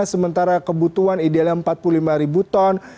sementara kebutuhan idealnya empat puluh lima ribu ton